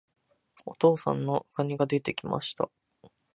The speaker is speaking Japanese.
お父さんの蟹が出て来ました。